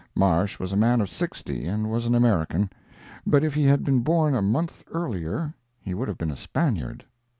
Marsh was a man of sixty, and was an American; but if he had been born a month earlier he would have been a Spaniard.